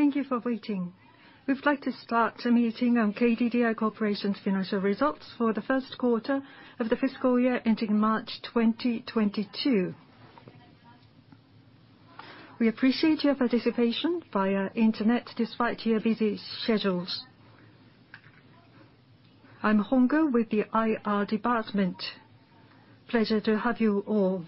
Thank you for waiting. We'd like to start the meeting on KDDI Corporation's financial results for the 1st quarter of the fiscal year ending March 2022. We appreciate your participation via internet despite your busy schedules. I'm Ikuko Hongou with the Investor Relations department. Pleasure to have you all.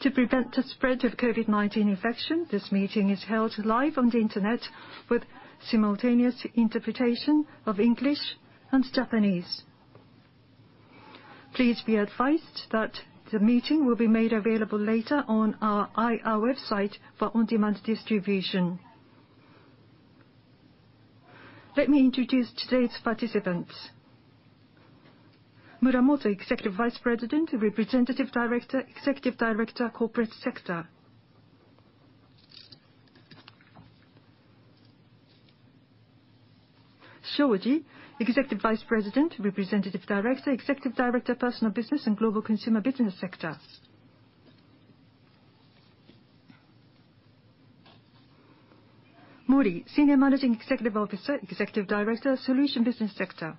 To prevent the spread of COVID-19 infection, this meeting is held live on the internet with simultaneous interpretation of English and Japanese. Please be advised that the meeting will be made available later on our IR website for on-demand distribution. Let me introduce today's participants. Shinichi Muramoto, Executive Vice President, Representative Director, Executive Director, Corporate Sector. Takashi Shoji, Executive Vice President, Representative Director, Executive Director, Personal Business and Global Consumer Sector. Keiichi Mori, Senior Managing Executive Officer, Executive Director, Solution Business Sector.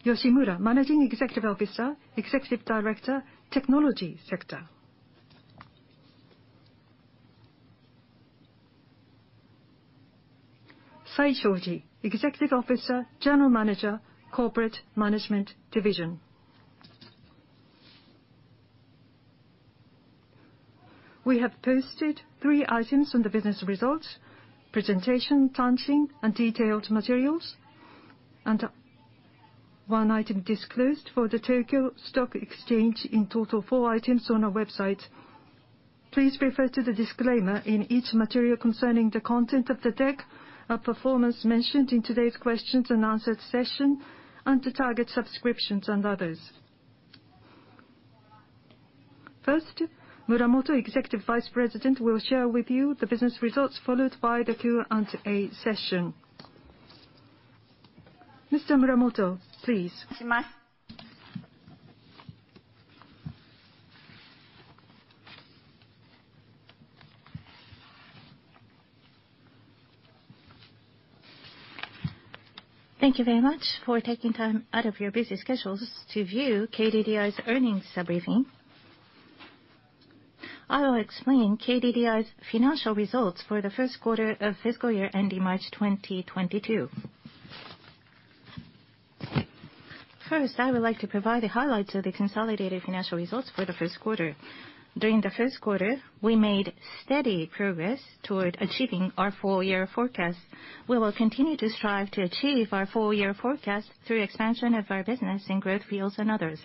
Kazuyuki Yoshimura, Managing Executive Officer, Executive Director, Technology Sector. Nanae Saishoji, Executive Officer, General Manager, Corporate Management Division. We have posted three items on the business results: presentation, timing, and detailed materials, and one item disclosed for the Tokyo Stock Exchange. In total, four items on our website. Please refer to the disclaimer in each material concerning the content of the deck, our performance mentioned in today's questions and answered session, and the target subscriptions and others. First, Muramoto, Executive Vice President, will share with you the business results, followed by the Q&A session. Mr. Shinichi Muramoto, please. Thank you very much for taking time out of your busy schedules to view KDDI's earnings briefing. I will explain KDDI's financial results for the first quarter of fiscal year ending March 2022. I would like to provide the highlights of the consolidated financial results for the first quarter. During the first quarter, we made steady progress toward achieving our full-year forecast. We will continue to strive to achieve our full-year forecast through expansion of our business in growth fields and others.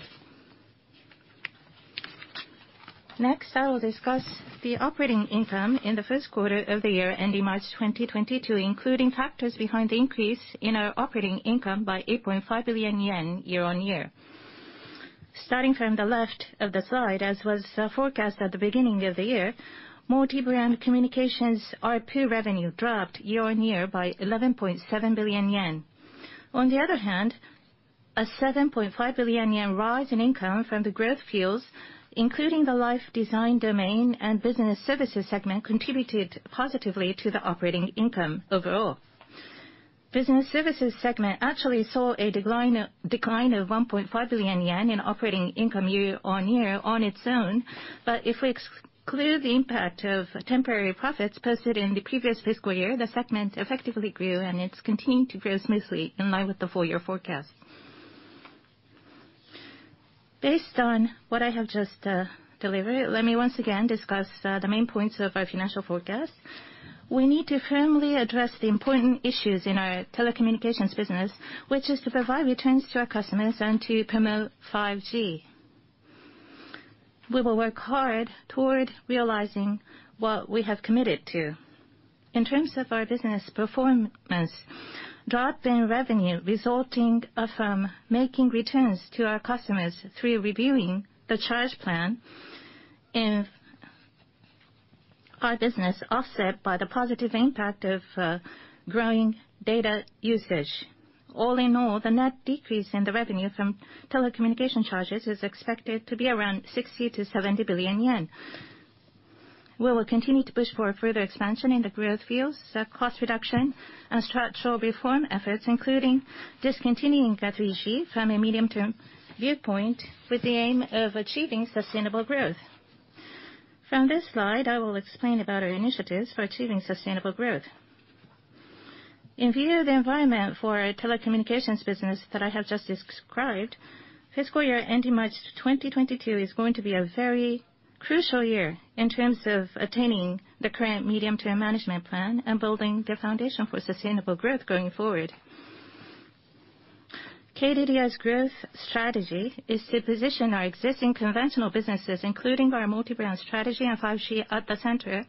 I will discuss the operating income in the first quarter of the year ending March 2022, including factors behind the increase in our operating income by 8.5 billion yen year-on-year. Starting from the left of the slide, as was forecast at the beginning of the year, multi-brand communications average revenue per user revenue dropped year-on-year by 11.7 billion yen. On the other hand, a 7.5 billion yen rise in income from the growth fields, including the life design domain and Business Services Segment, contributed positively to the operating income overall. Business Services Segment actually saw a decline of 1.5 billion yen in operating income year-over-year on its own. If we exclude the impact of temporary profits posted in the previous fiscal year, the segment effectively grew, and it's continuing to grow smoothly in line with the full-year forecast. Based on what I have just delivered, let me once again discuss the main points of our financial forecast. We need to firmly address the important issues in our telecommunications business, which is to provide returns to our customers and to promote 5G. We will work hard toward realizing what we have committed to. In terms of our business performance, drop in revenue resulting from making returns to our customers through reviewing the charge plan in our business, offset by the positive impact of growing data usage. All in all, the net decrease in the revenue from telecommunication charges is expected to be around 60 billion-70 billion yen. We will continue to push for further expansion in the growth fields, cost reduction, and structural reform efforts, including discontinuing 3G from a medium-term viewpoint with the aim of achieving sustainable growth. From this slide, I will explain about our initiatives for achieving sustainable growth. In view of the environment for our telecommunications business that I have just described, fiscal year ending March 2022 is going to be a very crucial year in terms of attaining the current medium-term management plan and building the foundation for sustainable growth going forward. KDDI's growth strategy is to position our existing conventional businesses, including our multi-brand strategy and 5G at the center,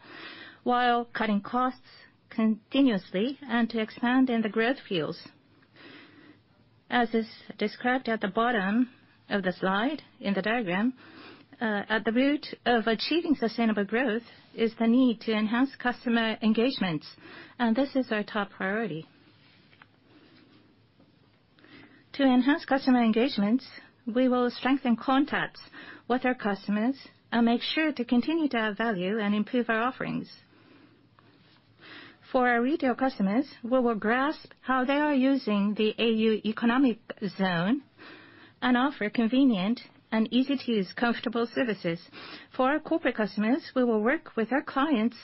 while cutting costs continuously and to expand in the growth fields. As is described at the bottom of the slide in the diagram. At the root of achieving sustainable growth is the need to enhance customer engagements, this is our top priority. To enhance customer engagements, we will strengthen contacts with our customers and make sure to continue to add value and improve our offerings. For our retail customers, we will grasp how they are using the au Economic Zone and offer convenient and easy-to-use comfortable services. For our corporate customers, we will work with our clients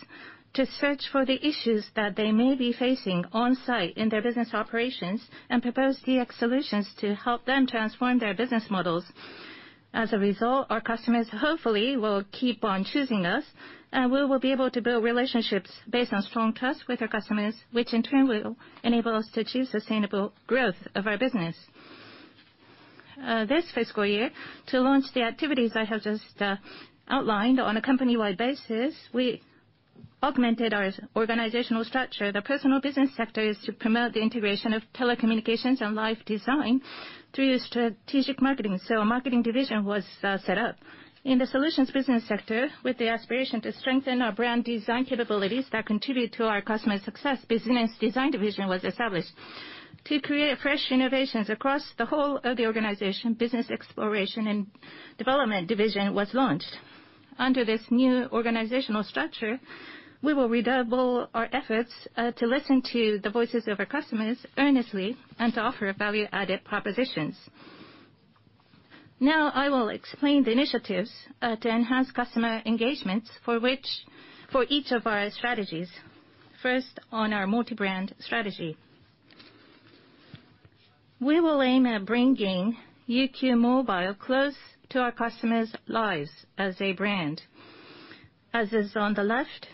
to search for the issues that they may be facing on-site in their business operations and propose DX solutions to help them transform their business models. As a result, our customers hopefully will keep on choosing us, and we will be able to build relationships based on strong trust with our customers, which in turn will enable us to achieve sustainable growth of our business. This fiscal year, to launch the activities I have just outlined on a company-wide basis, we augmented our organizational structure. The Personal Business Sector is to promote the integration of telecommunications and life design through strategic marketing, so a Marketing Division was set up. In the Solutions Business Sector with the aspiration to strengthen our brand design capabilities that contribute to our customer success, a Business Designs Division was established. To create fresh innovations across the whole of the organization, a Business Exploration and Development Division was launched. Under this new organizational structure, we will redouble our efforts to listen to the voices of our customers earnestly and to offer value-added propositions. I will explain the initiatives to enhance customer engagements for each of our strategies. On our multi-brand strategy. We will aim at bringing UQ mobile close to our customers' lives as a brand. As is on the left,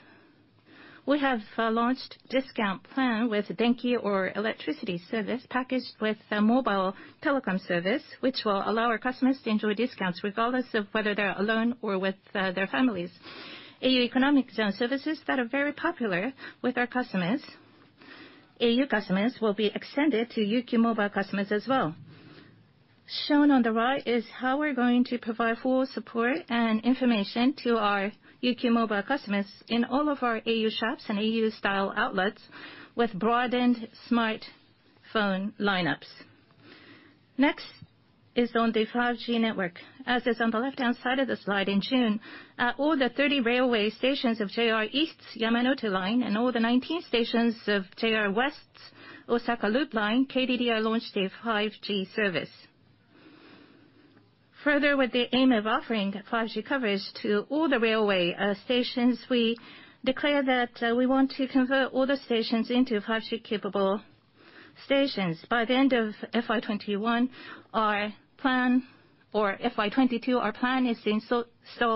we have launched discount plan with au Denki or electricity service packaged with a mobile telecom service, which will allow our customers to enjoy discounts regardless of whether they're alone or with their families. au Economic Zone services that are very popular with our au customers, will be extended to UQ mobile customers as well. Shown on the right is how we're going to provide full support and information to our UQ mobile customers in all of our au Shops and au Style outlets with broadened smartphone lineups. On the 5G network. As is on the left-hand side of the slide, in June, all the 30 railway stations of JR East's Yamanote Line and all the 19 stations of JR West's Osaka Loop Line, KDDI launched their 5G service. With the aim of offering 5G coverage to all the railway stations, we declare that we want to convert all the stations into 5G-capable stations. By the end of FY 2021 or FY 2022, our plan is to install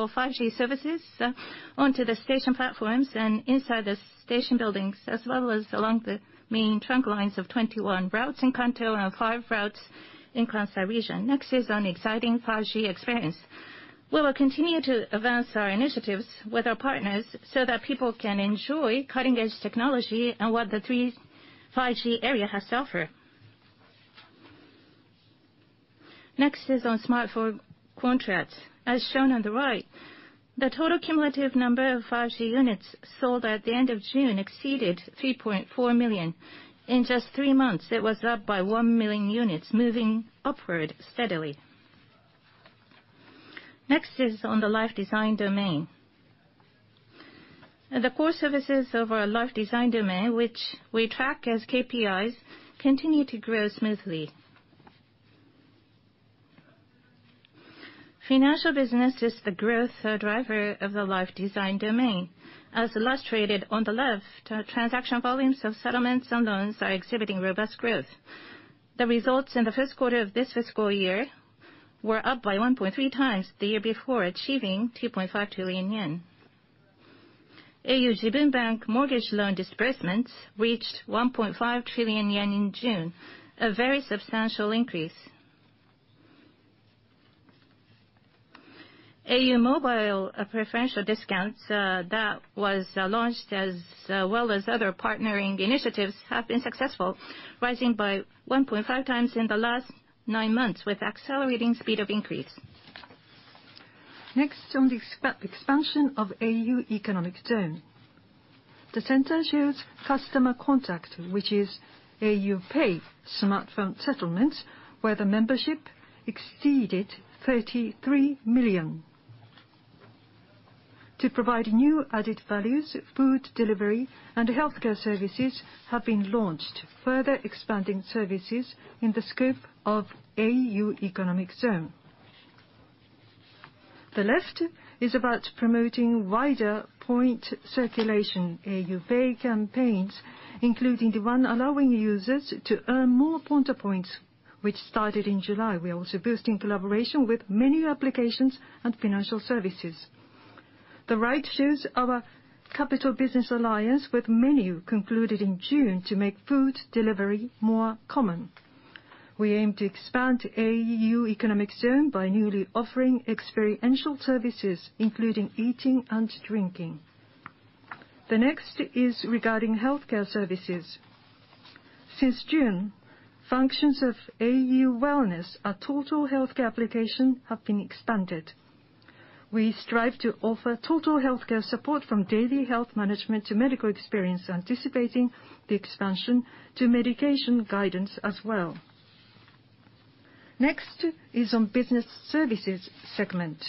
5G services onto the station platforms and inside the station buildings, as well as along the main trunk lines of 21 routes in Kanto and five routes in Kansai region. On exciting 5G experience. We will continue to advance our initiatives with our partners so that people can enjoy cutting-edge technology and what the three 5G area has to offer. On smartphone contracts. As shown on the right, the total cumulative number of 5G units sold at the end of June exceeded 3.4 million. In just three months, it was up by 1 million units, moving upward steadily. Next is on the life design domain. The core services of our life design domain, which we track as Key Performance Indicators, continue to grow smoothly. Financial business is the growth driver of the life design domain. As illustrated on the left, transaction volumes of settlements and loans are exhibiting robust growth. The results in the first quarter of this fiscal year were up by 1.3x the year before, achieving 2.5 trillion yen. au Jibun Bank mortgage loan disbursements reached 1.5 trillion yen in June, a very substantial increase. Au mobile preferential discounts that was launched, as well as other partnering initiatives, have been successful, rising by 1.5x in the last nine months with accelerating speed of increase. Next, on the expansion of au Economic Zone. The center shows customer contact, which is au PAY smartphone settlements, where the membership exceeded 33 million. To provide new added values, food delivery and healthcare services have been launched, further expanding services in the scope of au Economic Zone. The left is about promoting wider point circulation, au PAY campaigns, including the one allowing users to earn more Ponta points, which started in July. We are also boosting collaboration with menu applications and financial services. The right shows our capital business alliance with menu concluded in June to make food delivery more common. We aim to expand au Economic Zone by newly offering experiential services, including eating and drinking. The next is regarding healthcare services. Since June, functions of au Wellness, our total healthcare application, have been expanded. We strive to offer total healthcare support from daily health management to medical experience, anticipating the expansion to medication guidance as well. Next is on Business Services Segment.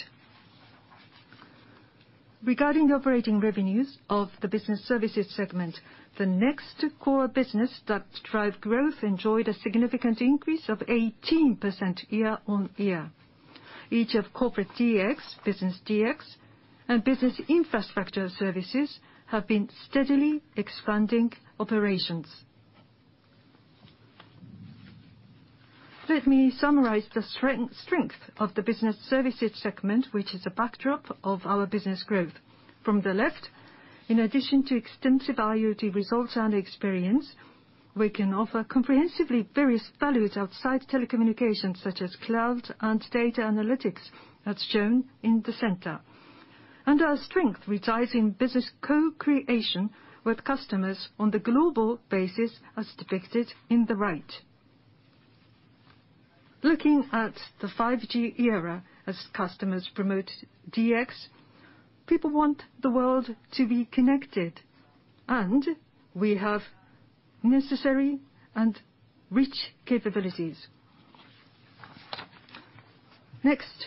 Regarding operating revenues of the Business Services Segment, the next core business that drive growth enjoyed a significant increase of 18% year-on-year. Each of Corporate DX, Business DX, and Business Infrastructure Services have been steadily expanding operations. Let me summarize the strength of the Business Services Segment, which is a backdrop of our business growth. From the left, in addition to extensive IoT results and experience, we can offer comprehensively various values outside telecommunications, such as cloud and data analytics, as shown in the center. Our strength resides in business co-creation with customers on the global basis, as depicted in the right. Looking at the 5G era as customers promote DX, people want the world to be connected, and we have necessary and rich capabilities. Next,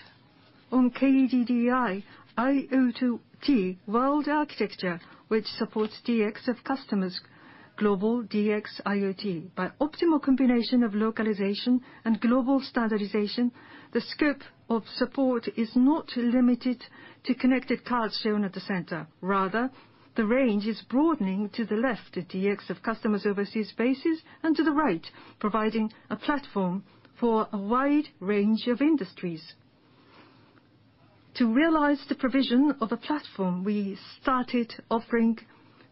on KDDI IoT Worldwide Architecture, which supports DX of customers, global DX IoT. By optimal combination of localization and global standardization, the scope of support is not limited to connected cars shown at the center. Rather, the range is broadening to the left, the DX of customers' overseas bases, and to the right, providing a platform for a wide range of industries. To realize the provision of a platform, we started offering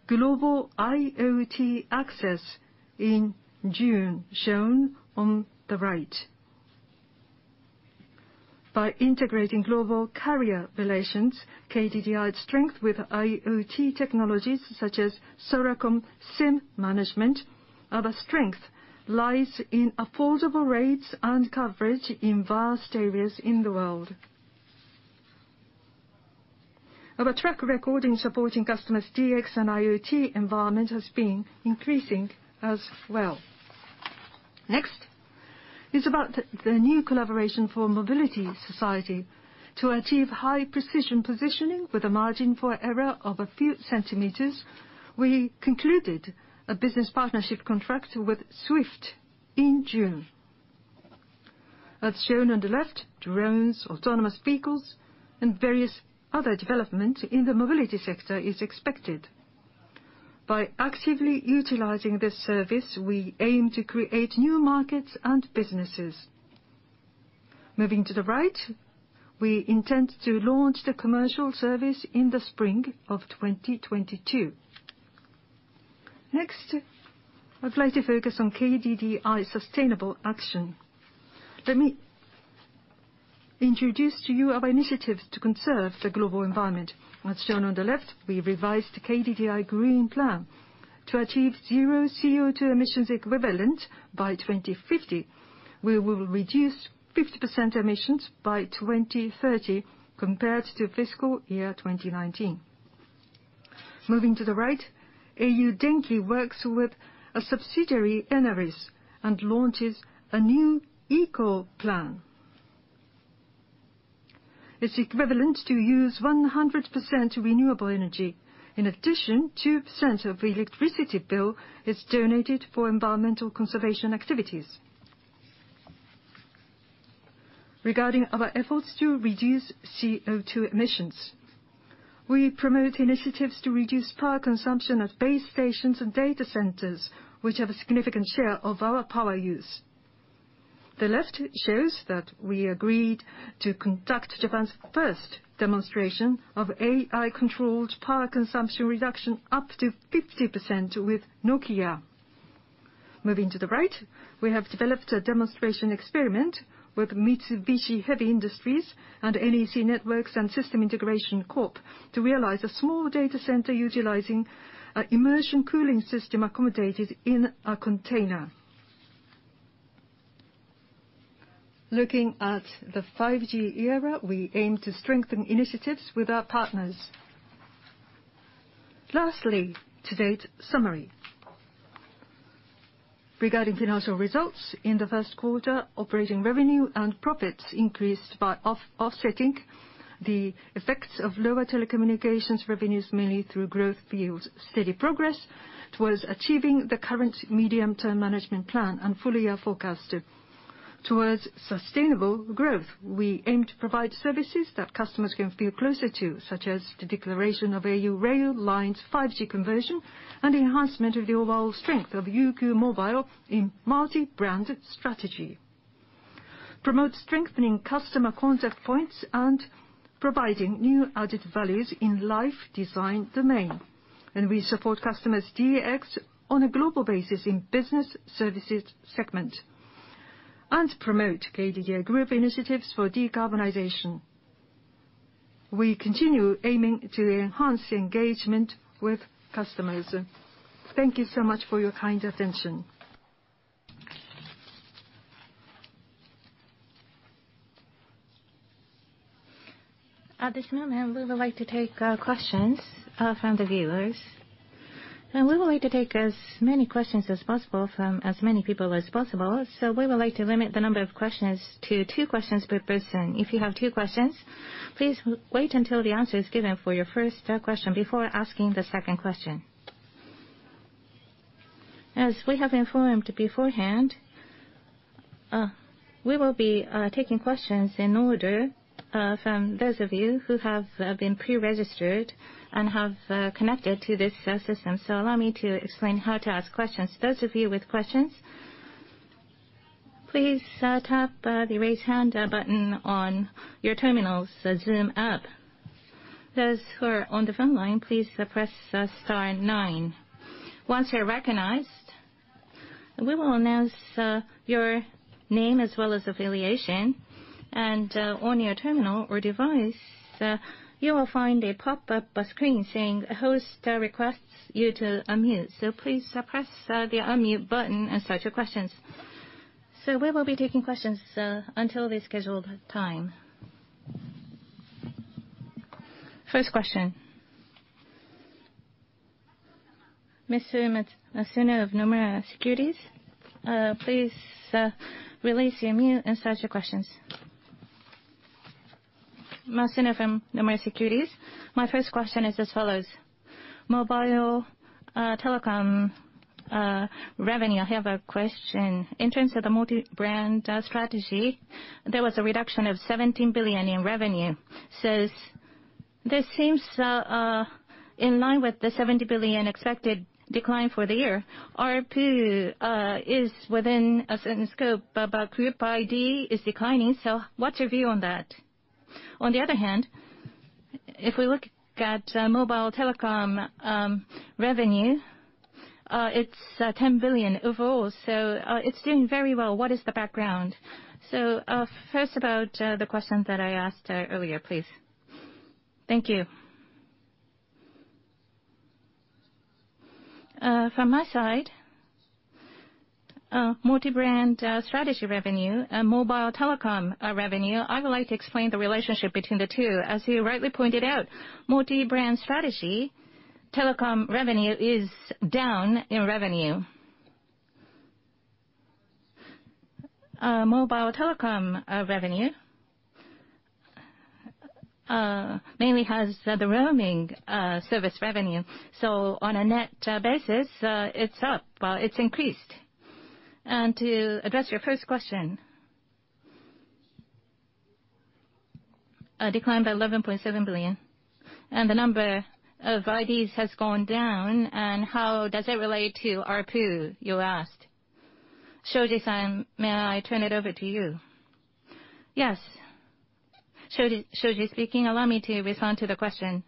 Global IoT Access in June, shown on the right. By integrating global carrier relations, KDDI's strength with IoT technologies such as Soracom SIM management, our strength lies in affordable rates and coverage in vast areas in the world. Our track record in supporting customers' DX and IoT environment has been increasing as well. Next is about the new collaboration for mobility society. To achieve high precision positioning with a margin for error of a few centimeters, we concluded a business partnership contract with Swift in June. As shown on the left, drones, autonomous vehicles, and various other development in the Mobility Sector is expected. By actively utilizing this service, we aim to create new markets and businesses. Moving to the right, we intend to launch the commercial service in the spring of 2022. Next, I'd like to focus on KDDI sustainable action. Let me introduce to you our initiatives to conserve the global environment. As shown on the left, we revised the KDDI GREEN PLAN. To achieve zero CO2 emissions equivalent by 2050, we will reduce 50% emissions by 2030 compared to fiscal year 2019. Moving to the right, au Denki works with a subsidiary, ENERES, and launches a new eco plan. It's equivalent to use 100% renewable energy. In addition, 2% of electricity bill is donated for environmental conservation activities. Regarding our efforts to reduce CO2 emissions, we promote initiatives to reduce power consumption at base stations and data centers, which have a significant share of our power use. The left shows that we agreed to conduct Japan's first demonstration of AI-controlled power consumption reduction up to 50% with Nokia. Moving to the right, we have developed a demonstration experiment with Mitsubishi Heavy Industries and NEC Networks and System Integration Corporation to realize a small data center utilizing an immersion cooling system accommodated in a container. Looking at the 5G era, we aim to strengthen initiatives with our partners. Lastly, to date summary. Regarding financial results, in the first quarter, operating revenue and profits increased by offsetting the effects of lower telecommunications revenues, mainly through growth fields. Steady progress towards achieving the current medium-term management plan and full-year forecast. Towards sustainable growth, we aim to provide services that customers can feel closer to, such as the declaration of au rail lines 5G conversion, and enhancement of the overall strength of UQ mobile in multi-brand strategy. Promote strengthening customer contact points and providing new added values in life design domain. We support customers DX on a global basis in Business Services Segment. Promote KDDI group initiatives for decarbonization. We continue aiming to enhance engagement with customers. Thank you so much for your kind attention. At this moment, we would like to take questions from the viewers. We would like to take as many questions as possible from as many people as possible, so we would like to limit the number of questions to two questions per person. If you have two questions, please wait until the answer is given for your first question before asking the second question. As we have informed beforehand, we will be taking questions in order from those of you who have been pre-registered and have connected to this system. Allow me to explain how to ask questions. Those of you with questions, please tap the Raise Hand button on your terminal's Zoom app. Those who are on the phone line, please press star nine. Once you're recognized, we will announce your name as well as affiliation, and on your terminal or device, you will find a pop-up screen saying, "Host requests you to unmute." Please press the unmute button and start your questions. We will be taking questions until the scheduled time. First question. Mr. Daisaku Masuno of Nomura Securities, please release your mute and start your questions. Daisaku Masuno from Nomura Securities. My first question is as follows. Mobile telecom revenue. I have a question. In terms of the multi-brand strategy, there was a reduction of 17 billion in revenue. This seems in line with the 17 billion expected decline for the year. ARPU is within a certain scope, but group ID is declining, so what's your view on that? On the other hand, if we look at mobile telecom revenue, it's 10 billion overall, so it's doing very well. What is the background? First, about the question that I asked earlier, please. Thank you. From my side, multi-brand strategy revenue and mobile telecom revenue, I would like to explain the relationship between the two. As you rightly pointed out, multi-brand strategy telecom revenue is down in revenue. Mobile telecom revenue mainly has the roaming service revenue. On a net basis, it's up. It's increased. To address your first question, a decline by 11.7 billion, and the number of IDs has gone down, and how does it relate to ARPU, you asked. Takashi Shoji, may I turn it over to you? Yes. Shoji speaking. Allow me to respond to the question.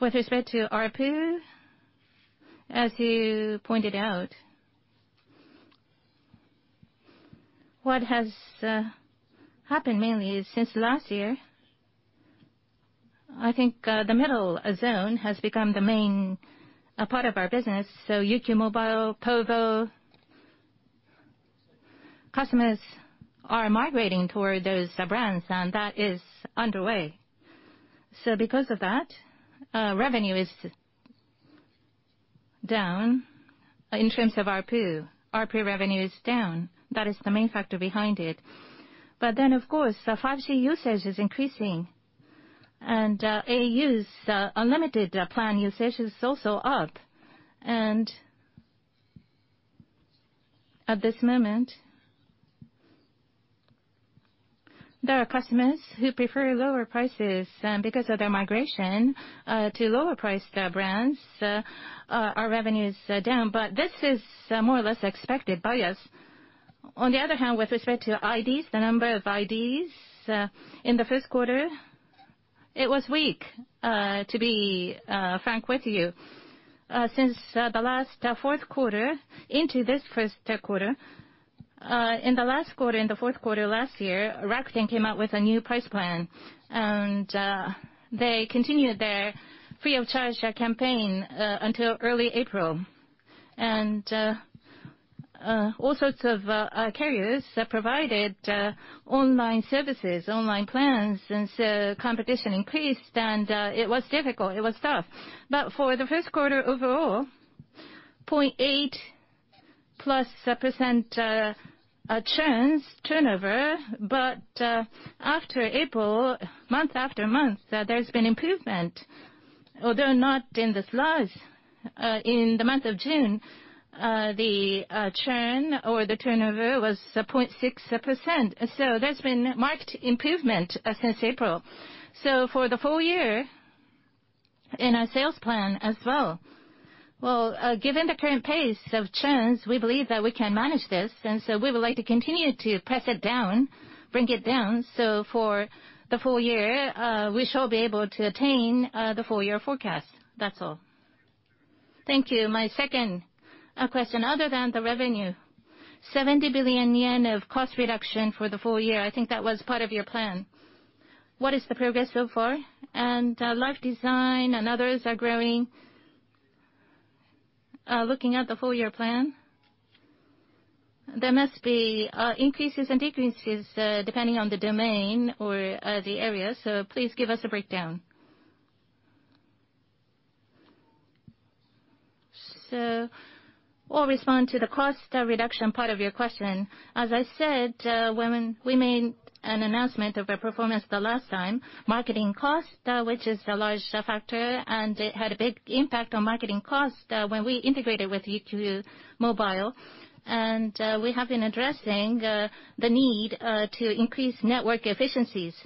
With respect to ARPU, as you pointed out, what has happened mainly is since last year, I think the middle zone has become the main part of our business, so UQ mobile, povo, customers are migrating toward those brands and that is underway. Because of that, revenue is down in terms of ARPU. ARPU revenue is down. That is the main factor behind it. Of course, 5G usage is increasing, and au's unlimited plan usage is also up. At this moment, there are customers who prefer lower prices. Because of their migration to lower priced brands, our revenue is down, but this is more or less expected by us. With respect to IDs, the number of IDs in the first quarter, it was weak, to be frank with you. Since the last fourth quarter into this first quarter, in the last quarter, in the fourth quarter last year, Rakuten came out with a new price plan. They continued their free of charge campaign until early April. All sorts of carriers provided online services, online plans. Competition increased. It was difficult. It was tough. For the first quarter overall, 0.8% plus churns, turnover. After April, month after month, there's been improvement, although not in this last. In the month of June, the churn or the turnover was 0.6%. There's been marked improvement since April. For the full year, in our sales plan as well. Well, given the current pace of churns, we believe that we can manage this. We would like to continue to press it down, bring it down. For the full year, we shall be able to attain the full-year forecast. That's all. Thank you. My second question. Other than the revenue, 70 billion yen of cost reduction for the full year, I think that was part of your plan. What is the progress so far? Life Design and others are growing. Looking at the full year plan, there must be increases and decreases depending on the domain or the area. Please give us a breakdown. I'll respond to the cost reduction part of your question. As I said, when we made an announcement of our performance the last time, marketing cost, which is a large factor, and it had a big impact on marketing cost when we integrated with UQ mobile. We have been addressing the need to increase network efficiencies.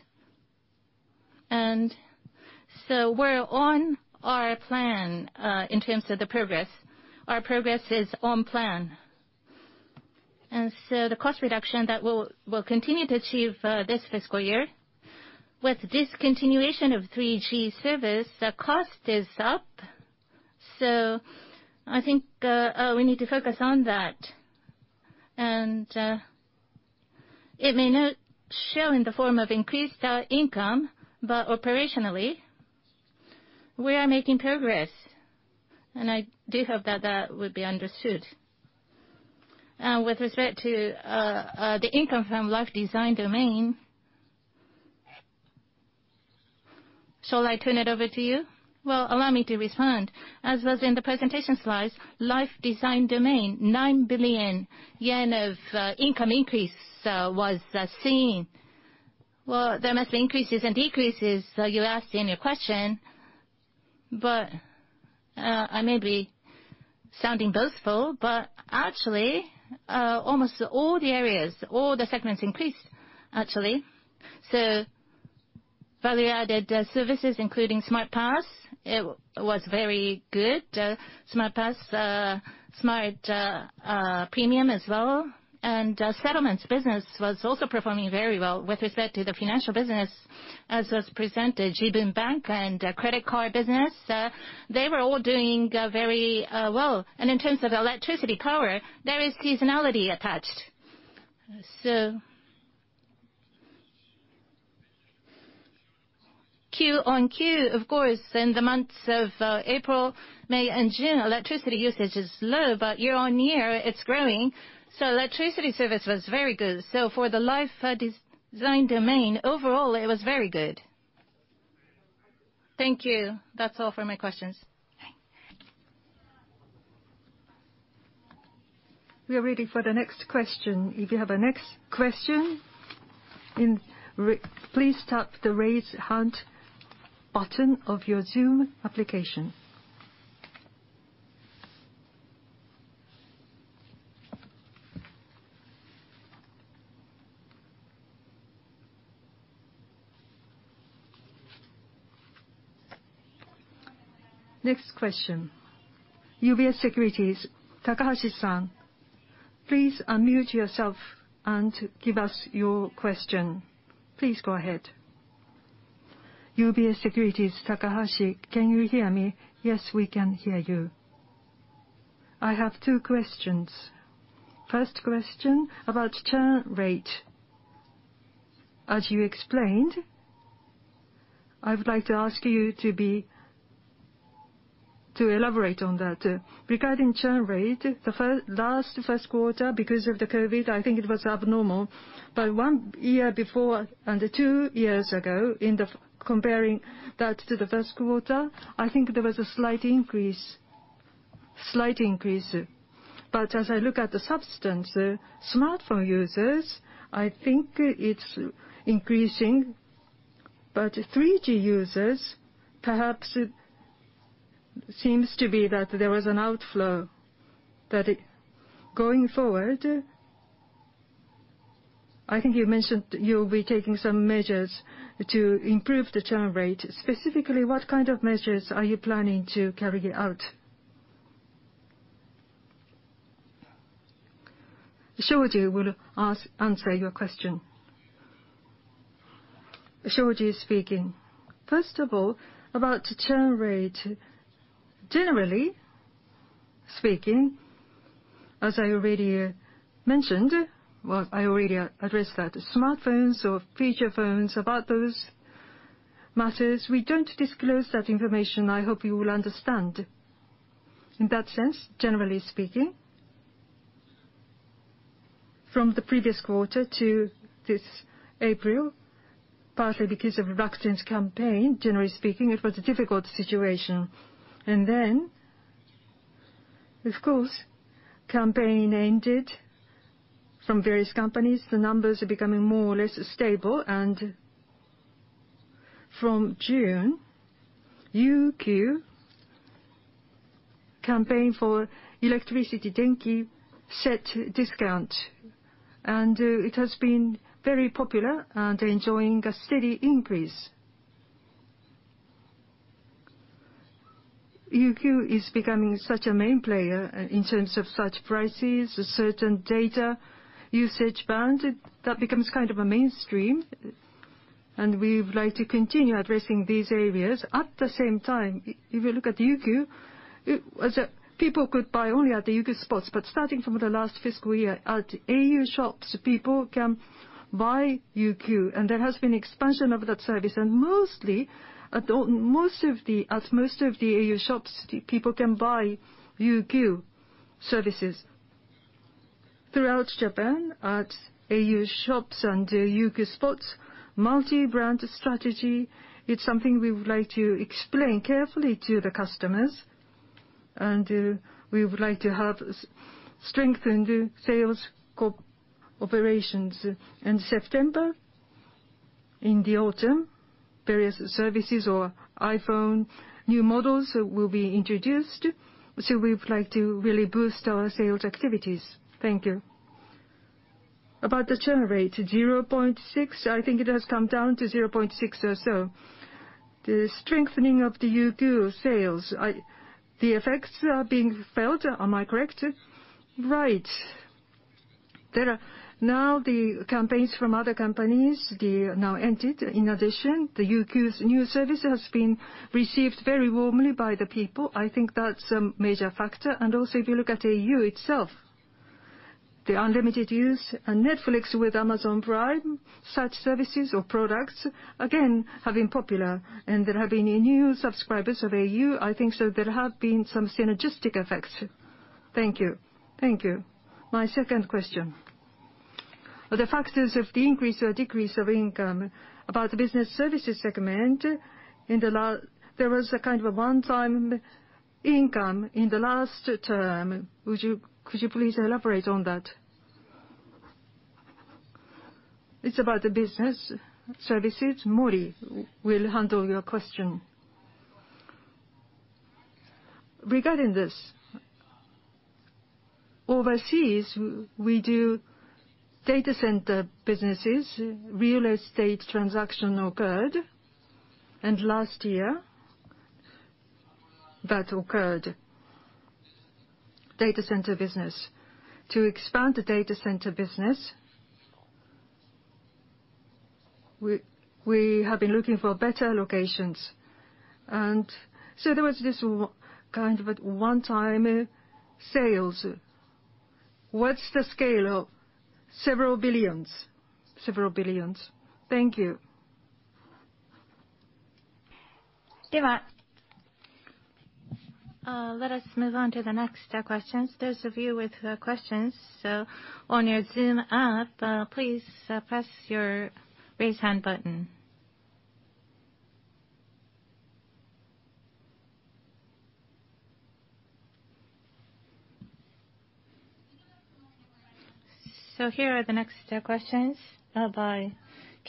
We're on our plan in terms of the progress. Our progress is on plan. The cost reduction that we'll continue to achieve this fiscal year. With discontinuation of 3G service, the cost is up. I think we need to focus on that. It may not show in the form of increased income, but operationally, we are making progress. I do hope that that would be understood. With respect to the income from Life Design Domain, shall I turn it over to you? Well, allow me to respond. As was in the presentation slides, Life Design Domain, 9 billion yen of income increase was seen. Well, there must be increases and decreases, you asked in your question. I may be sounding boastful, but actually, almost all the areas, all the segments increased, actually. Value-added services, including Smart Pass, it was very good. Smart Pass, Smart Premium as well. Settlements business was also performing very well. With respect to the financial business, as was presented, au Jibun Bank and credit card business, they were all doing very well. In terms of electricity power, there is seasonality attached. Quarter-on-quarter of course, in the months of April, May, and June, electricity usage is low, but year-on-year, it's growing. Electricity service was very good. For the Life Design domain, overall, it was very good. Thank you. That's all for my questions. We are ready for the next question. If you have a next question, please tap the raise hand button of your Zoom application. Next question. Mizuho Securities, Takeshi Tanaka, please unmute yourself and give us your question. Please go ahead. Mizuho Securities, Takeshi. Can you hear me? Yes, we can hear you. I have two questions. First question about churn rate. As you explained, I would like to ask you to elaborate on that. Regarding churn rate, the last first quarter, because of the COVID, I think it was abnormal. One year before and two years ago, comparing that to the first quarter, I think there was a slight increase. As I look at the substance, smartphone users, I think it's increasing. 3G users, perhaps it seems to be that there was an outflow. That going forward, I think you mentioned you'll be taking some measures to improve the churn rate. Specifically, what kind of measures are you planning to carry out? Shoji will answer your question. Shoji speaking. First of all, about churn rate, generally speaking, as I already mentioned. Well, I already addressed that. Smartphones or feature phones, about those matters, we don't disclose that information. I hope you will understand. In that sense, generally speaking, from the previous quarter to this April, partly because of vaccines campaign, generally speaking, it was a difficult situation. Then, of course, campaign ended from various companies. The numbers are becoming more or less stable. From June, UQ campaign for electricity au Denki set discount. It has been very popular and enjoying a steady increase. UQ is becoming such a main player in terms of such prices, certain data usage bands, that becomes kind of a mainstream. We would like to continue addressing these areas. At the same time, if you look at UQ, people could buy only at the UQ Spots, but starting from the last fiscal year, at au shops, people can buy UQ, and there has been expansion of that service. At most of the au shops, people can buy UQ services. Throughout Japan, at au shops and UQ Spots, multi-brand strategy, it's something we would like to explain carefully to the customers, and we would like to have strengthened sales operations. In September, in the autumn, various services or iPhone new models will be introduced. We would like to really boost our sales activities. Thank you. About the churn rate, 0.6%. I think it has come down to 0.6% or so. The strengthening of the UQ sales, the effects are being felt. Am I correct? Right. Now, the campaigns from other companies, they now ended. In addition, the UQ's new service has been received very warmly by the people. I think that's a major factor. If you look at au itself, the unlimited use and Netflix with Amazon Prime, such services or products, again, have been popular. There have been new subscribers of au. I think so there have been some synergistic effects. Thank you. Thank you. My second question, the factors of the increase or decrease of income about the Business Services Segment, there was a kind of a one-time income in the last term. Could you please elaborate on that? It's about the Business Services. Muramoto will handle your question. Regarding this, overseas, we do data center businesses, real estate transaction occurred, and last year that occurred. Data center business. To expand the data center business, we have been looking for better locations. There was this kind of a one-time sales. What's the scale? Several billions. Several billions. Thank you. Let us move on to the next questions. Those of you with questions, on your Zoom app, please press your Raise Hand button. Here are the next questions, by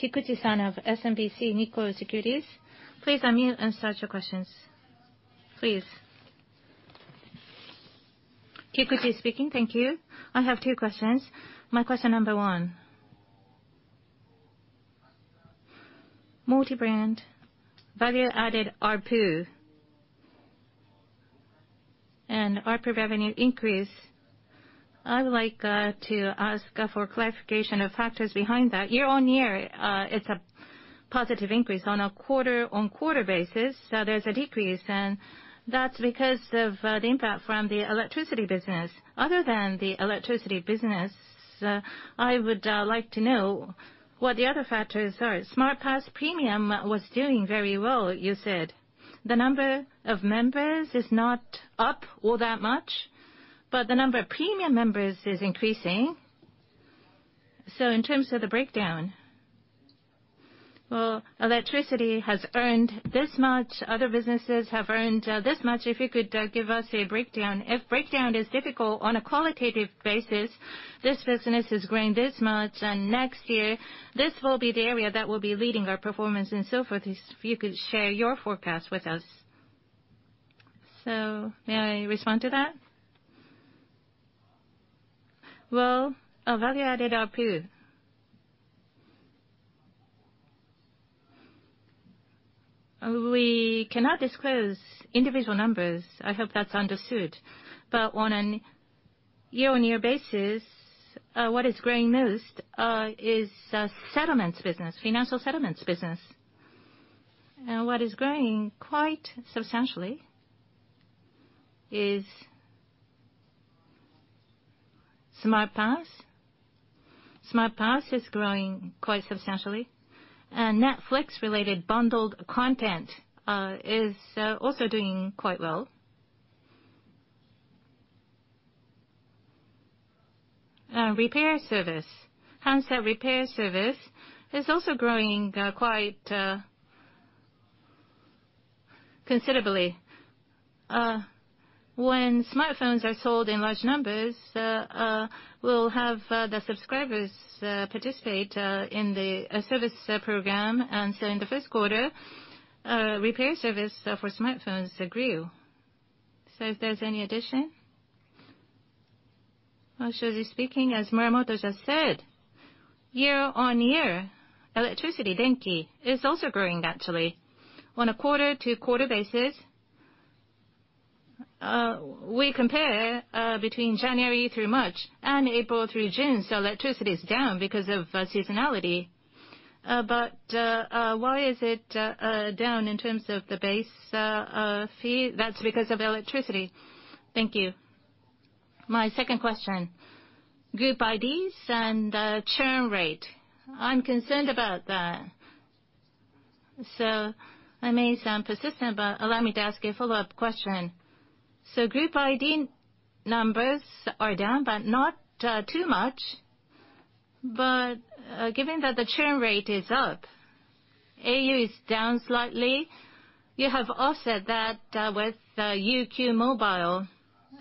Satoru Kikuchi of SMBC Nikko Securities. Please unmute and start your questions. Please. Kikuchi speaking. Thank you. I have two questions. My question number one, multi-brand value-added ARPU, and ARPU revenue increase. I would like to ask for clarification of factors behind that. Year-on-year, it's a positive increase. On a quarter-on-quarter basis, there's a decrease, and that's because of the impact from the electricity business. Other than the electricity business, I would like to know what the other factors are. Smart Pass Premium was doing very well, you said. The number of members is not up all that much, but the number of Premium members is increasing. In terms of the breakdown, electricity has earned this much, other businesses have earned this much. If you could give us a breakdown. If breakdown is difficult, on a qualitative basis, this business is growing this much, and next year, this will be the area that will be leading our performance and so forth, if you could share your forecast with us. May I respond to that? Our value-added ARPU, we cannot disclose individual numbers. I hope that's understood. On a year-on-year basis, what is growing most is settlements business, financial settlements business. What is growing quite substantially is au Smart Pass. Au Smart Pass is growing quite substantially. Netflix-related bundled content is also doing very well. Repair service, handset repair service, is also growing quite considerably. When smartphones are sold in large numbers, we'll have the subscribers participate in the service program, in the first quarter, repair service for smartphones grew. If there's any addition? Saishoji speaking. As Muramoto just said, year-on-year, electricity, denki, is also growing actually. On a quarter-to-quarter basis. We compare between January through March and April through June. Electricity is down because of seasonality. Why is it down in terms of the base fee? That's because of electricity. Thank you. My second question, group IDs and churn rate. I'm concerned about that. I may sound persistent, but allow me to ask a follow-up question. Group ID numbers are down, but not too much. Given that the churn rate is up, au is down slightly, you have offset that with UQ mobile.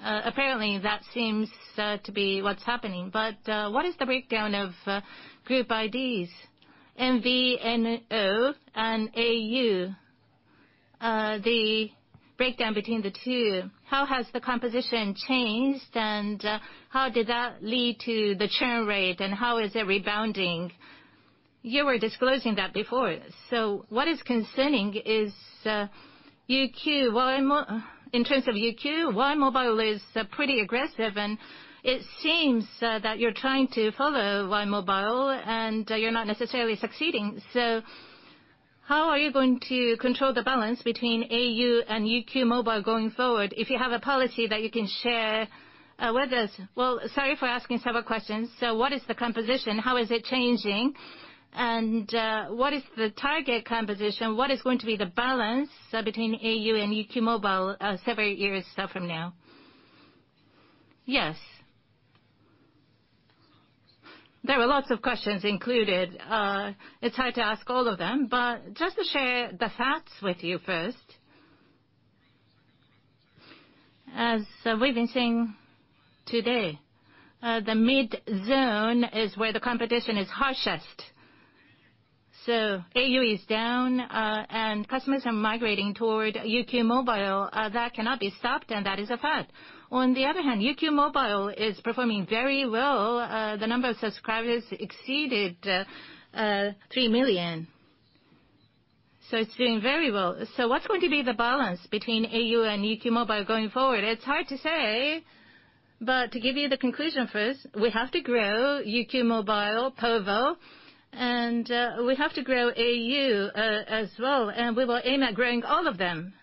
Apparently, that seems to be what's happening. What is the breakdown of group IDs, mobile virtual network operator and au? The breakdown between the two, how has the composition changed, and how did that lead to the churn rate, and how is it rebounding? You were disclosing that before. What is concerning is UQ? In terms of UQ, Y!mobile is pretty aggressive, and it seems that you're trying to follow Y!mobile, and you're not necessarily succeeding. How are you going to control the balance between au and UQ mobile going forward? If you have a policy that you can share with us. Well, sorry for asking several questions. What is the composition? How is it changing? What is the target composition? What is going to be the balance between au and UQ mobile several years from now? Yes. There were lots of questions included. It's hard to ask all of them, but just to share the facts with you first. As we've been seeing today, the mid-zone is where the competition is harshest. au is down, and customers are migrating toward UQ mobile. That cannot be stopped, and that is a fact. On the other hand, UQ Mobile is performing very well. The number of subscribers exceeded 3 million. It's doing very well. What's going to be the balance between au and UQ Mobile going forward? It's hard to say. To give you the conclusion first, we have to grow UQ Mobile, Povo, and we have to grow au as well, and we will aim at growing all of them.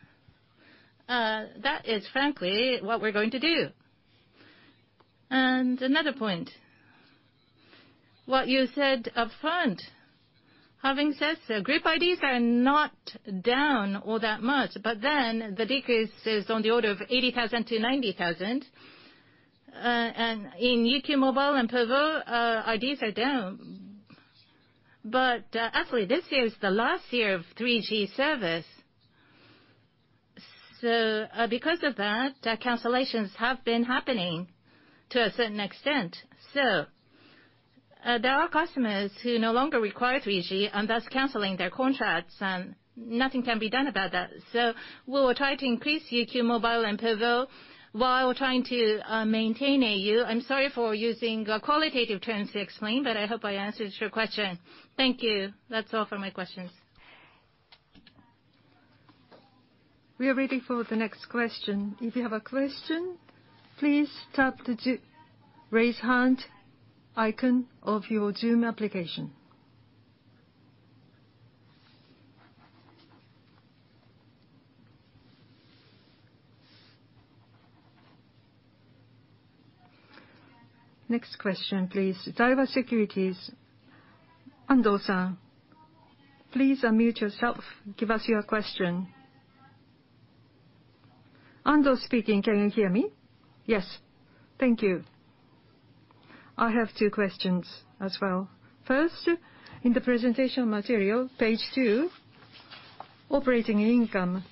That is frankly what we're going to do. Another point, what you said upfront, having said, Group IDs are not down all that much, the decrease is on the order of 80,000-90,000. In UQ Mobile and Povo, IDs are down. Actually, this is the last year of 3G service. Because of that, cancellations have been happening to a certain extent. There are customers who no longer require 3G and thus canceling their contracts, and nothing can be done about that. We will try to increase UQ mobile and povo while trying to maintain au. I'm sorry for using qualitative terms to explain, but I hope I answered your question. Thank you. That's all for my questions. We are ready for the next question. If you have a question, please tap the raise hand icon of your Zoom application. Next question, please. Daiwa Securities, Yoshio Ando. Please unmute yourself. Give us your question. Ando speaking. Can you hear me? Yes. Thank you. I have two questions as well. First, in the presentation material, page two, operating income.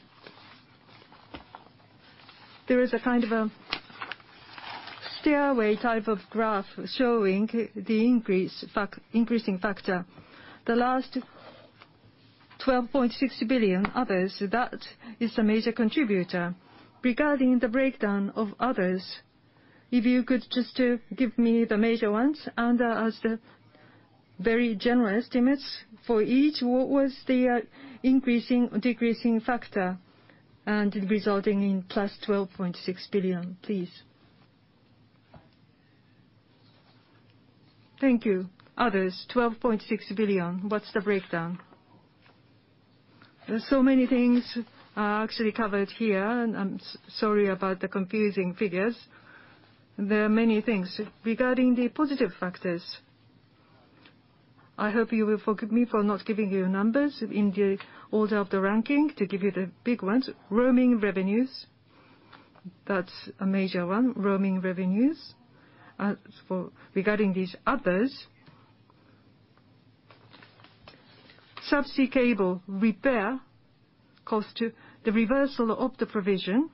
There is a kind of a stairway type of graph showing the increasing factor. The last 12.6 billion others, that is a major contributor. Regarding the breakdown of others, if you could just give me the major ones and as the very general estimates for each, what was the increasing or decreasing factor and resulting in +12.6 billion, please? Thank you. Keiichi Mori, 12.6 billion. What's the breakdown? There's so many things are actually covered here, and I'm sorry about the confusing figures. There are many things. Regarding the positive factors, I hope you will forgive me for not giving you numbers in the order of the ranking. To give you the big ones, roaming revenues. That's a major one, roaming revenues. As for regarding these others, subsea cable repair cost, the reversal of the provision,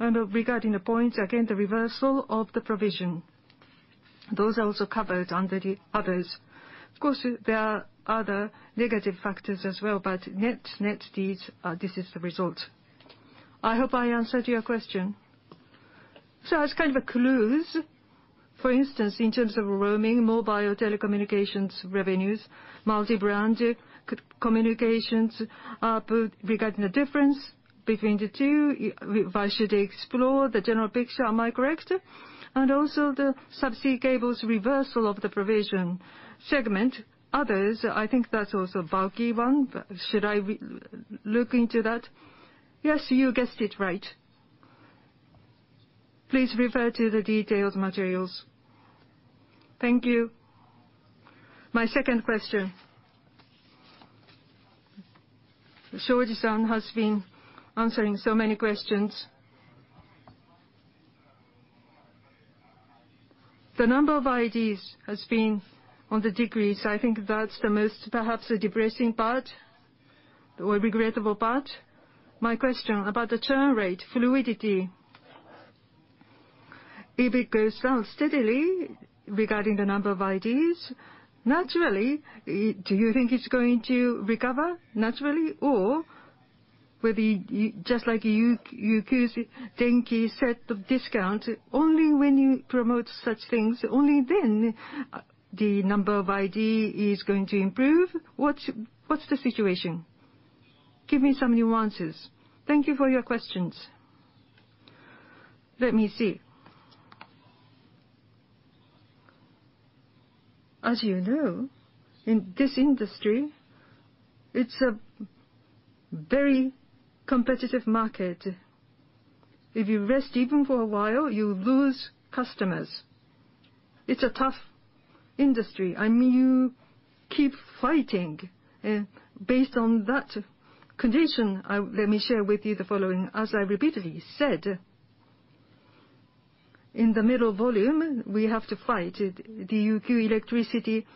and regarding the points, again, the reversal of the provision. Those are also covered under the others. Of course, there are other negative factors as well, but net these, this is the result. I hope I answered your question. As kind of a clue, for instance, in terms of roaming mobile telecommunications revenues, multi-brand communications, regarding the difference between the two, if I should explore the general picture, am I correct? Also the subsea cables reversal of the Provision Segment. Others, I think that's also a bulky one. Should I look into that? Yes, you guessed it right. Please refer to the detailed materials. Thank you. My second question. Takashi Shoji has been answering so many questions. The number of IDs has been on the decrease. I think that's the most, perhaps, depressing part or regrettable part. My question about the churn rate fluidity. If it goes down steadily, regarding the number of IDs, naturally, do you think it's going to recover naturally? Whether, just like a UQ's Denki set of discount, only when you promote such things, only then the number of ID is going to improve. What's the situation? Give me some nuances. Thank you for your questions. Let me see. As you know, in this industry, it's a very competitive market. If you rest even for a while, you lose customers. It's a tough industry. You keep fighting. Based on that condition, let me share with you the following. As I repeatedly said, in the middle volume, we have to fight the UQ electricity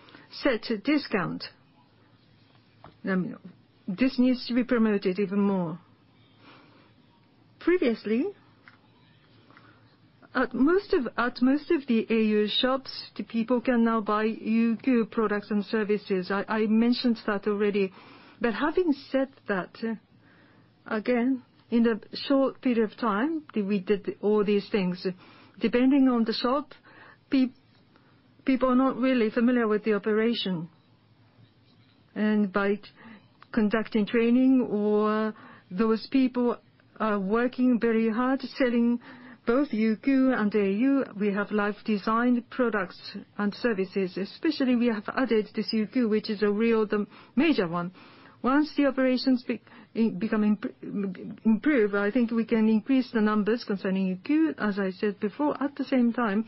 set discount. This needs to be promoted even more. Previously, at most of the au Shops, the people can now buy UQ products and services. I mentioned that already. Having said that, again, in a short period of time, we did all these things. Depending on the shop, people are not really familiar with the operation. By conducting training or those people are working very hard selling both UQ and au, we have life designed products and services, especially we have added this UQ, which is a really major one. Once the operations improve, I think we can increase the numbers concerning UQ, as I said before. At the same time,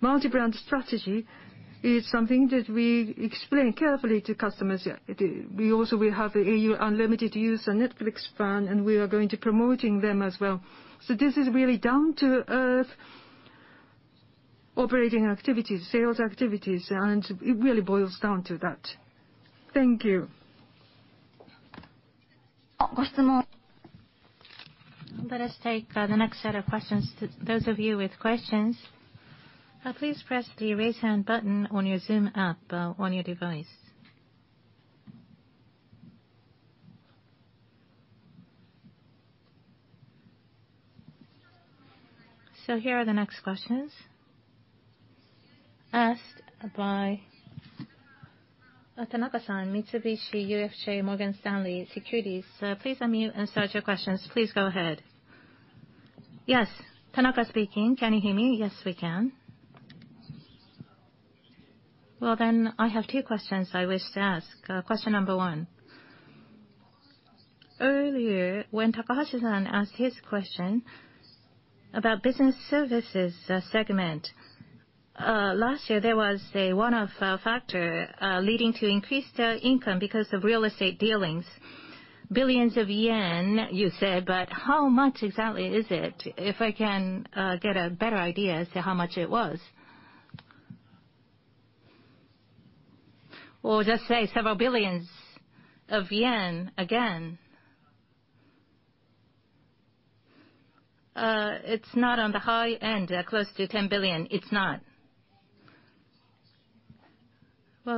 multi-brand strategy is something that we explain carefully to customers. Also, we have the au unlimited use and Netflix plan, we are going to be promoting them as well. This is really down-to-earth operating activities, sales activities, and it really boils down to that. Thank you. Let us take the next set of questions. Those of you with questions, please press the Raise Hand button on your Zoom app on your device. Here are the next questions, asked by Hideaki Tanaka, Mitsubishi UFJ Morgan Stanley Securities. Please unmute and start your questions. Please go ahead. Yes, Tanaka speaking. Can you hear me? Yes, we can. I have two questions I wish to ask. Question number one. Earlier, when Takeshi Tanaka asked his question about Business Services Segment, last year, there was a one-off factor leading to increased income because of real estate dealings. Billions of JPY, you said, but how much exactly is it? If I can get a better idea as to how much it was. Well, just say several billions of yen again. It's not on the high end, close to 10 billion. It's not.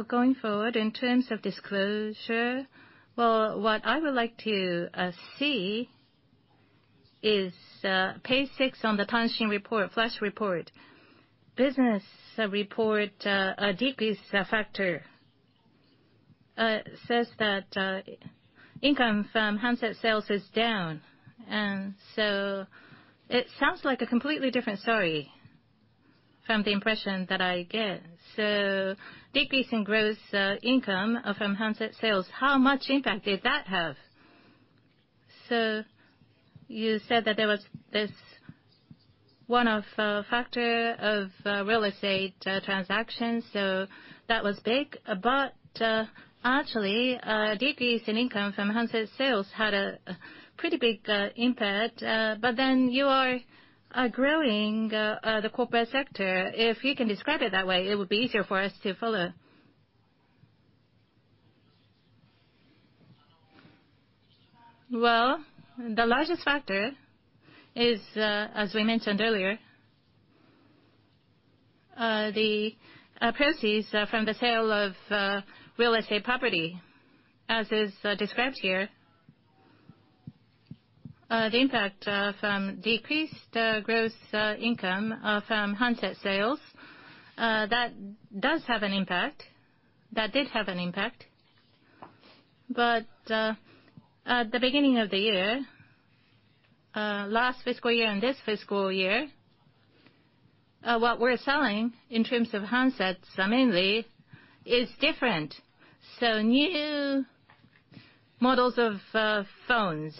Going forward, in terms of disclosure, what I would like to see is page 6 on the Tanshin report, flash report. Business report, a decrease factor says that income from handset sales is down. It sounds like a completely different story from the impression that I get. Decrease in gross income from handset sales, how much impact did that have? Actually, a decrease in income from handset sales had a pretty big impact. You are growing the Corporate Sector. If you can describe it that way, it would be easier for us to follow. Well, the largest factor is, as we mentioned earlier. The proceeds from the sale of real estate property, as is described here. The impact from decreased gross income from handset sales, that did have an impact. At the beginning of the year, last fiscal year and this fiscal year, what we're selling in terms of handsets, mainly, is different. New models of phones.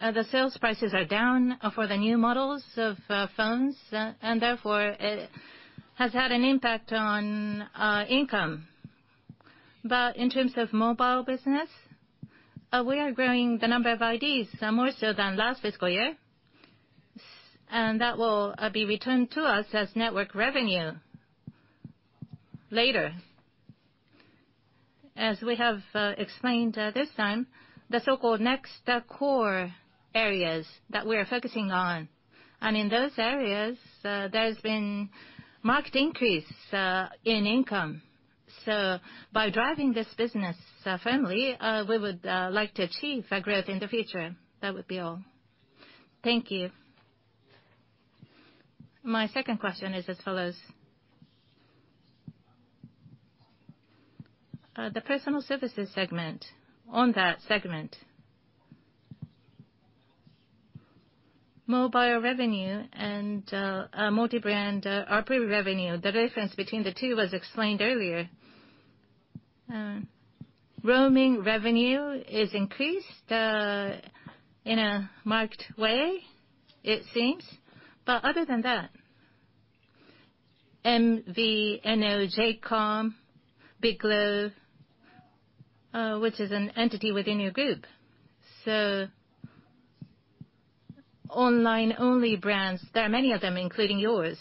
The sales prices are down for the new models of phones, and therefore, it has had an impact on income. In terms of mobile business, we are growing the number of IDs, more so than last fiscal year. That will be returned to us as network revenue later. As we have explained this time, the so-called next core areas that we are focusing on. In those areas, there's been marked increase in income. By driving this business firmly, we would like to achieve growth in the future. That would be all. Thank you. My second question is as follows. The Personal Services Segment, on that segment, mobile revenue and multi-brand ARPU revenue, the difference between the two was explained earlier. Roaming revenue is increased in a marked way, it seems. Other than that, MVNO, J:COM, BIGLOBE, which is an entity within your group. Online-only brands, there are many of them, including yours.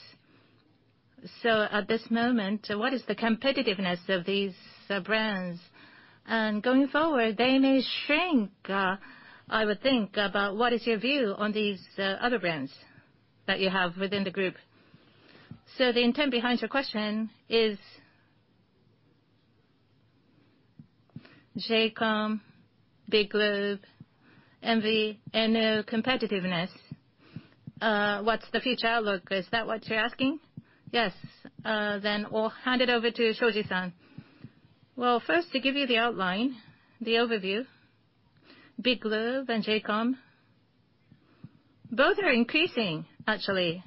At this moment, what is the competitiveness of these brands? Going forward, they may shrink, I would think. What is your view on these other brands that you have within the group? The intent behind your question is J:COM, BIGLOBE, MVNO competitiveness. What's the future outlook? Is that what you're asking? Yes. I'll hand it over to Takashi Shoji. Well, first, to give you the outline, the overview. BIGLOBE and J:COM, both are increasing, actually.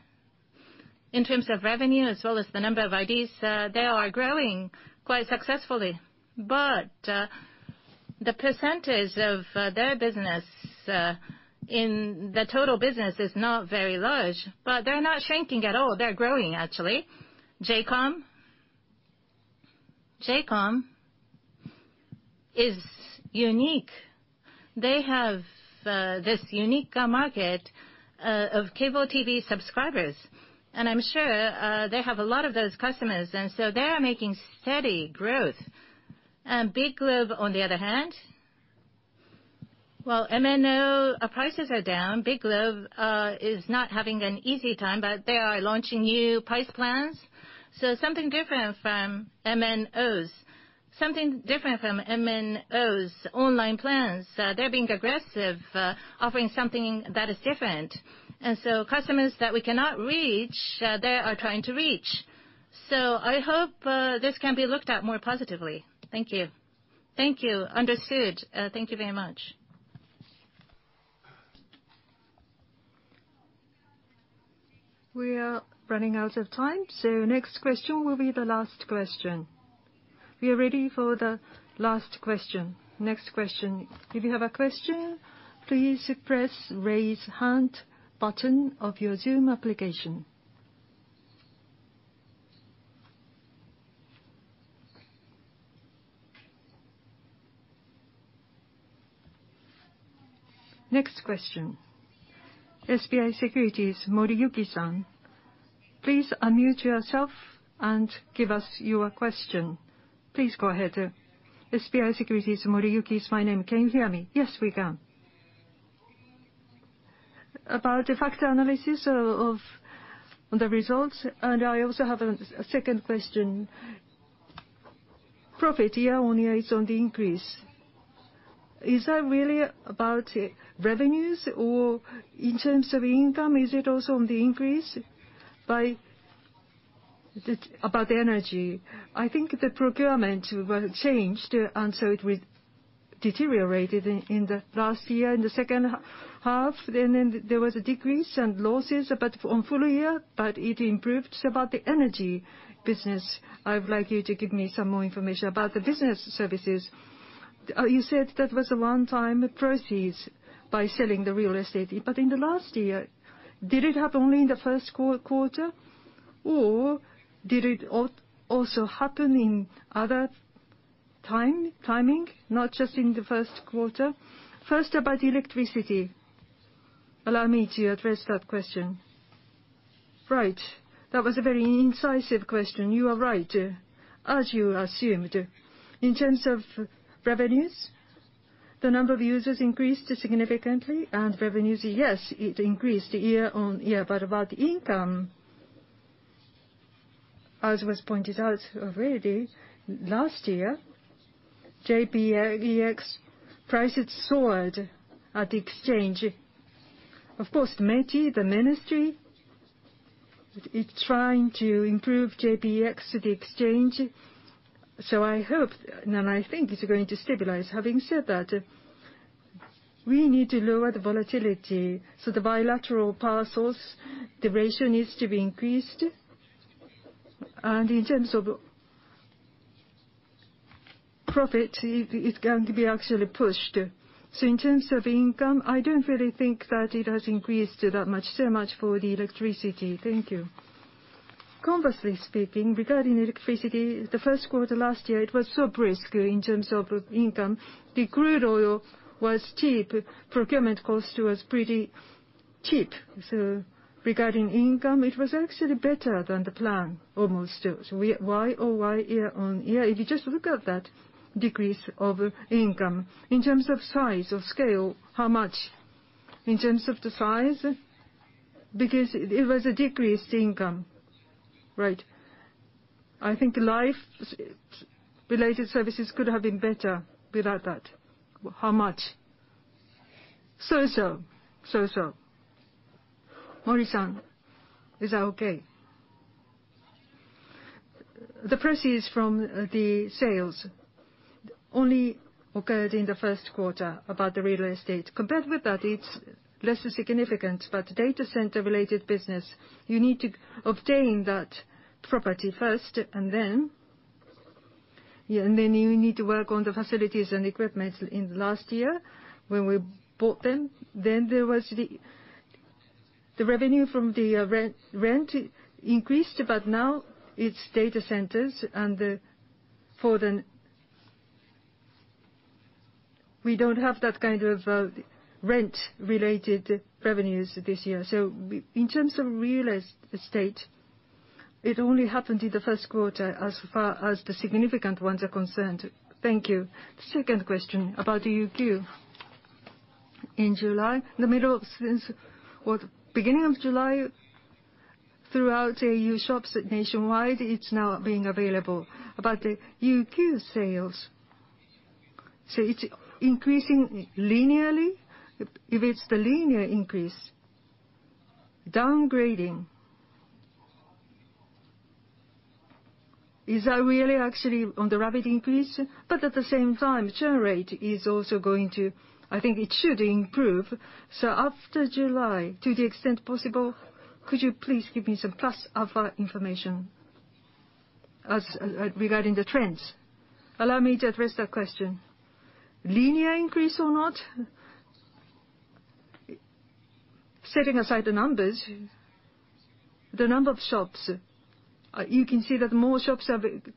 In terms of revenue, as well as the number of IDs, they are growing quite successfully. The percentage of their business in the total business is not very large. They're not shrinking at all. They're growing, actually. J:COM is unique. They have this unique market of cable TV subscribers. I'm sure they have a lot of those customers, they are making steady growth. BIGLOBE, on the other hand, well, MNO prices are down. BIGLOBE is not having an easy time, they are launching new price plans. Something different from MNO's online plans. They're being aggressive, offering something that is different. Customers that we cannot reach, they are trying to reach. I hope this can be looked at more positively. Thank you. Thank you. Understood. Thank you very much. We are running out of time, next question will be the last question. We are ready for the last question. Next question. If you have a question, please press raise hand button of your Zoom application. Next question. SBI Securities, Shinji Moriyuki. Please unmute yourself and give us your question. Please go ahead. SBI Securities, Shinji Moriyuki is my name. Can you hear me? Yes, we can. About the factor analysis of the results, I also have a second question. Profit year-on-year is on the increase. Is that really about revenues, in terms of income, is it also on the increase? About the energy, I think the procurement was changed, it deteriorated in the last year, in the second half. There was a decrease and losses on full year, it improved. About the energy business, I would like you to give me some more information. About the Business services, you said that was a one-time proceeds by selling the real estate. In the last year, did it happen only in the first quarter, or did it also happen in other timing, not just in the first quarter? First, about electricity. Allow me to address that question. Right. That was a very incisive question. You are right. The number of users increased significantly, revenues, yes, it increased year-on-year. About income, as was pointed out already, last year, JEPX prices soared at the exchange. Of course, METI, the Ministry, it's trying to improve JEPX, the exchange. I hope, and I think it's going to stabilize. Having said that, we need to lower the volatility, the bilateral power source, the ratio needs to be increased. In terms of profit, it's going to be actually pushed. In terms of income, I don't really think that it has increased that much so much for the electricity. Thank you. Conversely speaking, regarding electricity, the first quarter last year, it was so brisk in terms of income. The crude oil was cheap. Procurement cost was pretty cheap. Regarding income, it was actually better than the plan, almost. Year-on-year, if you just look at that decrease of income, in terms of size, of scale. How much? In terms of the size, because it was a decreased income. Right. I think the life-related services could have been better without that. How much? So-so. Mori-san, is that okay? The proceeds from the sales only occurred in the first quarter, about the real estate. Compared with that, it's less significant, but data center-related business, you need to obtain that property first, and then you need to work on the facilities and equipment. In last year, when we bought them, then the revenue from the rent increased, but now it's data centers, and for then, we don't have that kind of rent-related revenues this year. In terms of real estate, it only happened in the first quarter as far as the significant ones are concerned. Thank you. Second question, about UQ. In July, Well, the beginning of July, throughout au Shops nationwide, it's now being available. About the UQ sales, it's increasing linearly? If it's the linear increase, downgrading. Is that really actually on the rapid increase? At the same time, churn rate is also going to, I think it should improve. After July, to the extent possible, could you please give me some plus alpha information regarding the trends? Allow me to address that question. Linear increase or not, setting aside the numbers, the number of shops, you can see that more shops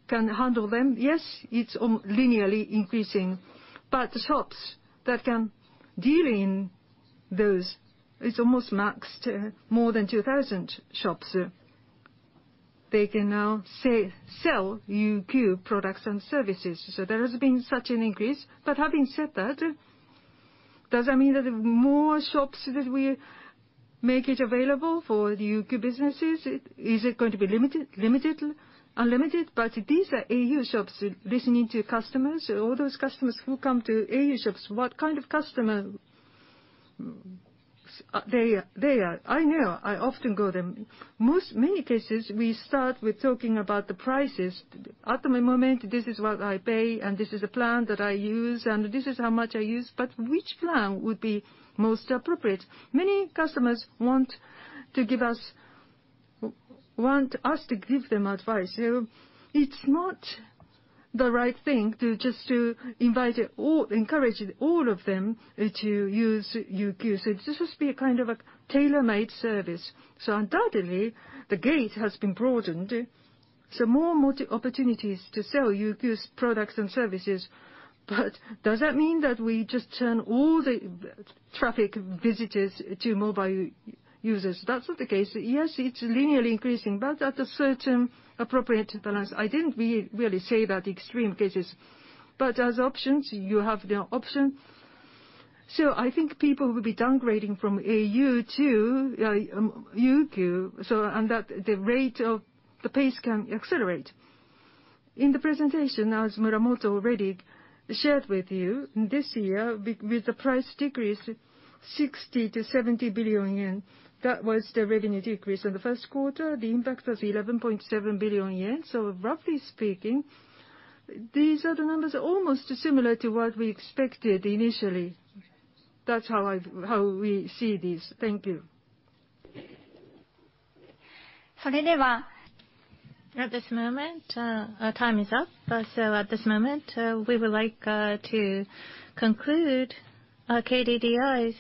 can handle them. Yes, it's linearly increasing. Shops that can deal in those, it's almost maxed, more than 2,000 shops. They can now sell UQ products and services. There has been such anincrease. Having said that, does that mean that the more shops that we make it available for UQ mobile, is it going to be unlimited? These are au Shops listening to customers. All those customers who come to au Shops, what kind of customer they are. I know, I often go there. Many cases, we start with talking about the prices. At the moment, this is what I pay, and this is the plan that I use, and this is how much I use, but which plan would be most appropriate? Many customers want us to give them advice. It's not the right thing to just encourage all of them to use UQ. This must be a kind of a tailor-made service. Undoubtedly, the gate has been broadened, so more opportunities to sell UQ's products and services. Does that mean that we just turn all the traffic visitors to mobile users? That's not the case. Yes, it's linearly increasing, but at a certain appropriate balance. I didn't really say about extreme cases. As options, you have the option. I think people will be downgrading from au to UQ, and that the pace can accelerate. In the presentation, as Muramoto already shared with you, this year, with the price decrease, 60 billion-70 billion yen. That was the revenue decrease in the first quarter. The impact was 11.7 billion yen. Roughly speaking, these are the numbers almost similar to what we expected initially. That's how we see this. Thank you. At this moment, our time is up. At this moment, we would like to conclude KDDI's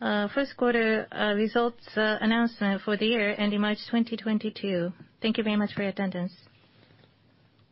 first-quarter results announcement for the year ending March 2022. Thank you very much for your attendance.